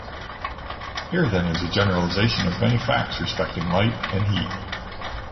Here then is a generalization of many facts respecting light and heat.